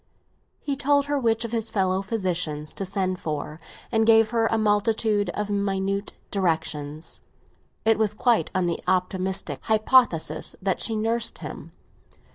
He told her which of his fellow physicians to send for, and gave her a multitude of minute directions; it was quite on the optimistic hypothesis that she nursed him.